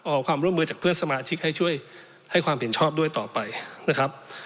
ขอความร่วมมือจากเพื่อนสมาชิกให้ช่วยให้ความเห็นชอบด้วยต่อไปนะครับ